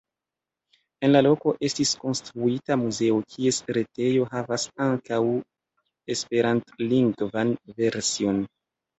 En la loko estis konstruita muzeo, kies retejo havas ankaŭ esperantlingvan version.